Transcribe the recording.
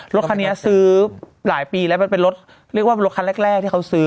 รถคันนี้ซื้อหลายปีแล้วมันเป็นรถเรียกว่าเป็นรถคันแรกที่เขาซื้อ